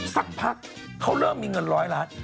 สักพักเขาเริ่มมีเงินร้อยล้าน